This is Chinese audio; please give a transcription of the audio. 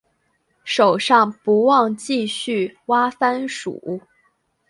手上不忘继续挖番薯